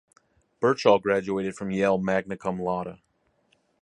Birchall graduated from Yale "magna cum laude".